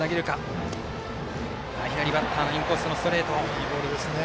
いいボールですね。